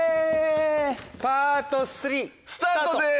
パート３スタートスタートです！